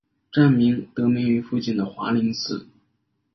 站名得名于附近的华林寺。